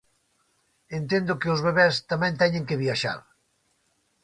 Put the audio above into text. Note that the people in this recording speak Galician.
Entendo que os bebés tamén teñen que viaxar.